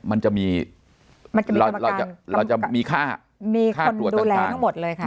มันจะมีมันจะมีธรรมการเราจะเราจะมีค่าค่าตัวต่างมีคนดูแลทั้งหมดเลยค่ะ